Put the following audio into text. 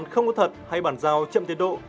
không có thật hay bản giao chậm tiến độ